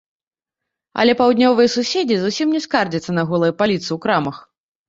Але паўднёвыя суседзі зусім не скардзяцца на голыя паліцы ў крамах.